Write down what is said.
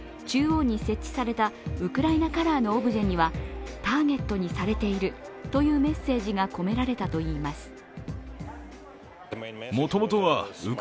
中央に設置されたウクライナカラーのオブジェにはターゲットにされているというメッセージが込められたといいます。